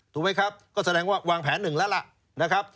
ถูกไหมครับก็แสดงว่าวางแผนหนึ่งแล้วล่ะนะครับ